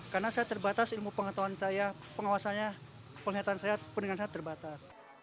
karena saya terbatas ilmu pengetahuan saya pengawasannya penelitian saya penelitian saya terbatas